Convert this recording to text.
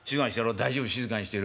「大丈夫静かにしてる。